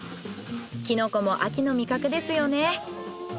キノコも秋の味覚ですよね。